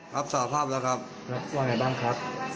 ครับสร้างภาพแล้วครับครับว่าไงบ้างครับ